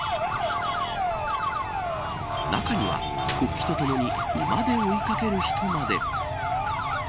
中には国旗とともに馬で追いかける人まで。